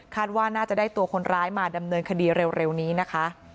ว่าน่าจะได้ตัวคนร้ายมาดำเนินคดีเร็วนี้นะคะ